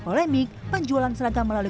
polemik penjualan seragam melalui